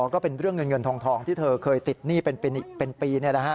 ก็เป็นเรื่องเงินเงินทองที่เธอเคยติดหนี้เป็นปี